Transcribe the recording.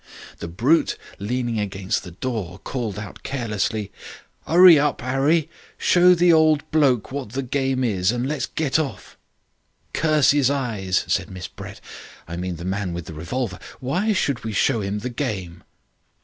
"The brute leaning against the door called out carelessly, ''Urry up, 'Arry. Show the old bloke what the game is, and let's get off.' "'Curse 'is eyes,' said Miss Brett I mean the man with the revolver 'why should we show 'im the game?'